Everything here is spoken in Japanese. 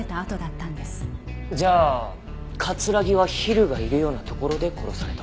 じゃあ木はヒルがいるような所で殺された。